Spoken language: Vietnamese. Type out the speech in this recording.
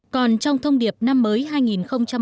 còn trong thông điệp năm mới hai nghìn một mươi tám